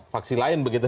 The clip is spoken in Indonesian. faksi lain begitu